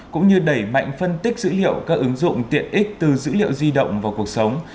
cũng như đẩy mạnh phân tích dữ liệu các ứng dụng tiện ích từ dữ liệu di động vào cuộc sống